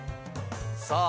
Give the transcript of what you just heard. さあ。